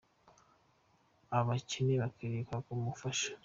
Abakene bakwiriye kwaka ubufasha.